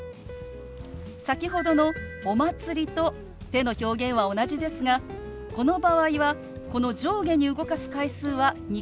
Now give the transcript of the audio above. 先ほどの「お祭り」と手の表現は同じですがこの場合はこの上下に動かす回数は２回に限りません。